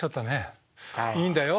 いいんだよ。